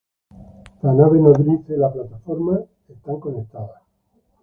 La nave nodriza y la plataforma son conectadas.